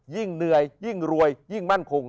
ยิ่งเหนื่อยยิ่งรวยยิ่งมั่นคง